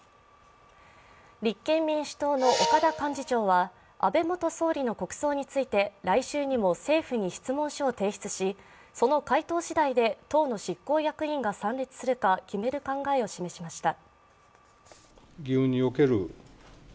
立憲民主党の岡田幹事長は、安倍元総理の国葬について来週にも政府に質問書を提出しその回答しだいで党の執行役員が参列するか決める考えを示しました。